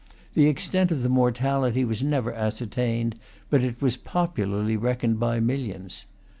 The extent of the mortality was never ascertained; but it was popularly reckoned by millions.